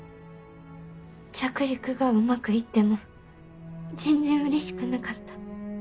着陸がうまくいっても全然うれしくなかった。